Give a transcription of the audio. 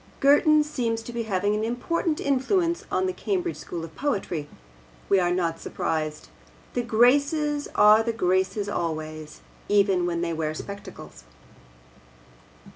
Girton seems to be having an important influence on the Cambridge school of poetry. We are not surprised. The Graces are the Graces always, even when they wear spectacles.